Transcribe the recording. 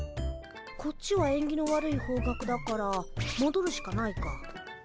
こっちはえんぎの悪い方角だからもどるしかないか。